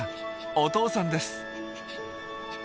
お父さんです。